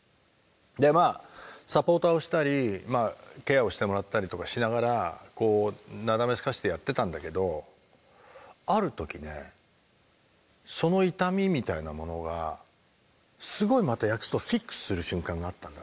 でまあサポーターをしたりケアをしてもらったりとかしながらこうなだめすかしてやってたんだけどある時ねその痛みみたいなものがすごいまた役とフィックスする瞬間があったんだ。